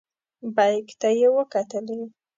بیک ته یې وکتلې.